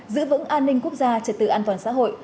giữ vững an ninh quốc gia trật tự an toàn xã hội